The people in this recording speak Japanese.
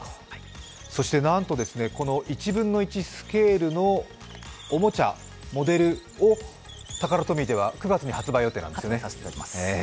そしてなんとこの１分の１スケールのおもちゃ、モデルをタカラトミーでは９月に発売予定なんですよね。